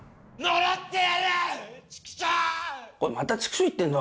「呪ってやる！